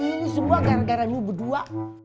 ini semua gara garamu berdua